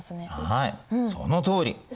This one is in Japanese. はいそのとおり。